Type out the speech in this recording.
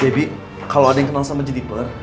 debbie kalo ada yang kenal sama jennifer